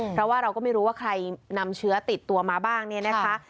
เพราะว่าเราก็ไม่รู้ว่าใครนำเชื้อติดตัวมาบ้างเนี่ยนะคะ